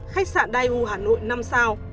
khách sạn daewoo hà nội năm sao